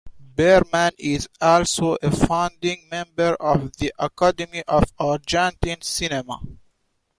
Burman is also a founding member of the Academy of Argentine Cinema.